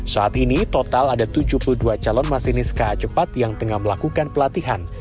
saat ini total ada tujuh puluh dua calon masinis ka cepat yang tengah melakukan pelatihan